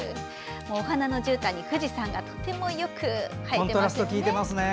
お花のじゅうたんに富士山がとてもよく映えていますよね。